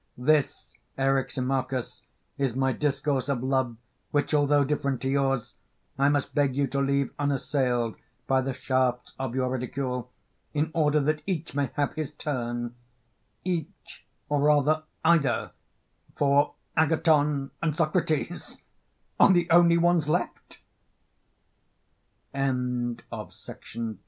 This, Eryximachus, is my discourse of love, which, although different to yours, I must beg you to leave unassailed by the shafts of your ridicule, in order that each may have his turn; each, or rather either, for Agathon and Socrates are the onl